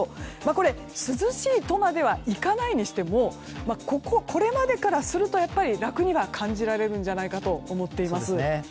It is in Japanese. これ、涼しいとまではいかないにしてもこれまでからすると楽には感じられるんじゃないかと思っています。